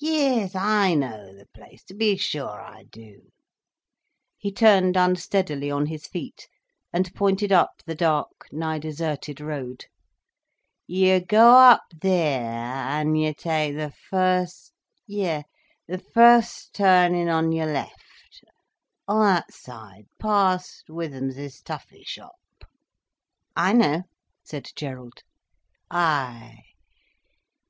Yis, I know the place, to be sure I do—" He turned unsteadily on his feet, and pointed up the dark, nigh deserted road. "You go up theer—an' you ta'e th' first—yi, th' first turnin' on your left—o' that side—past Withamses tuffy shop—" "I know," said Gerald. "Ay!